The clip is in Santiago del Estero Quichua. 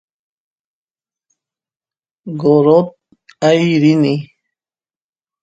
gorrot aay rini